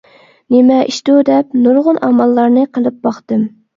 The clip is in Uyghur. نېمە ئىشتۇ دەپ نۇرغۇن ئاماللارنى قىلىپ باقتىم.